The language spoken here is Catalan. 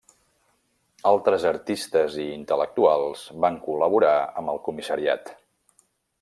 Altres artistes i intel·lectuals van col·laborar amb el Comissariat.